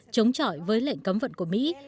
chống chọi với lệnh cấm vận của mỹ